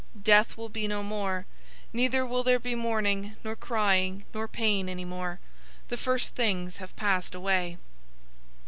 Death will be no more; neither will there be mourning, nor crying, nor pain, any more. The first things have passed away."